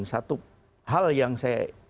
satu hal yang saya